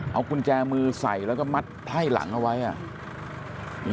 เอากุญแจมือใส่แล้วก็มัดไพ่หลังเอาไว้อ่ะ